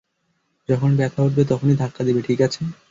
যখন ব্যথা উঠবে তখনি ধাক্কা দিবে, ঠিক আছে?